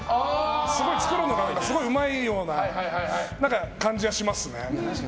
すごい作るのがうまいような感じはしますね。